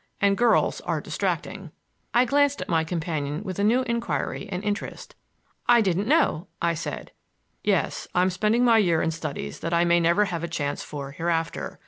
And girls are distracting." I glanced at my companion with a new inquiry and interest. "I didn't know," I said. "Yes; I'm spending my year in studies that I may never have a chance for hereafter.